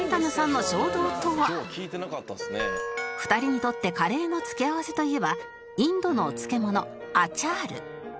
２人にとってカレーの付け合わせといえばインドのお漬物アチャール